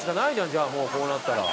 じゃあもうこうなったら。